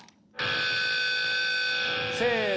せの！